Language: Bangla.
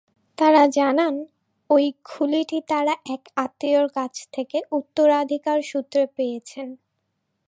তাঁরা জানান, ওই খুলিটি তাঁরা এক আত্মীয়ের কাছ থেকে উত্তরাধিকারসূত্রে পেয়েছেন।